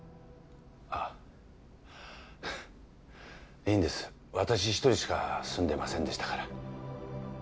いいんです私一人しか住んでませんでしたから